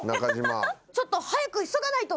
ちょっと早く急がないと。